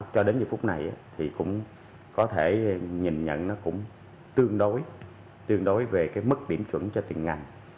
cho đến giờ phút này thì cũng có thể nhìn nhận nó cũng tương đối tương đối về cái mức điểm chuẩn cho từng ngành